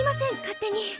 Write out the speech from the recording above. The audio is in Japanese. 勝手に。